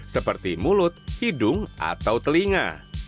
seperti mulut hidung atau telinga